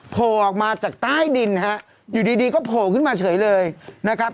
โผล่ออกมาจากใต้ดินฮะอยู่ดีดีก็โผล่ขึ้นมาเฉยเลยนะครับ